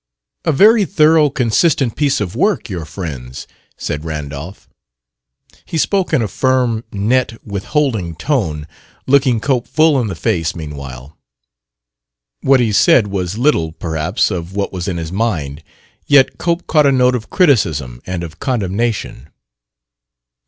"A very thorough, consistent piece of work your friend's," said Randolph. He spoke in a firm, net, withholding tone, looking Cope full in the face, meanwhile. What he said was little, perhaps, of what was in his mind; yet Cope caught a note of criticism and of condemnation.